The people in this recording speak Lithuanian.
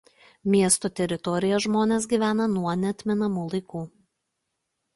Miesto teritorijoje žmonės gyvena nuo neatmenamų laikų.